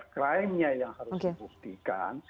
krimnya yang harus dibuktikan